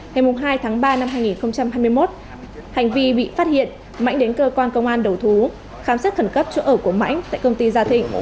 ngày hai tháng ba năm hai nghìn hai mươi một hành vi bị phát hiện mạnh đến cơ quan công an đầu thú khám xét khẩn cấp chỗ ở của mãnh tại công ty gia thịnh